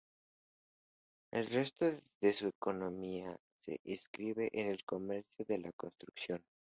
El resto de su economía se inscribe en el comercio y la construcción.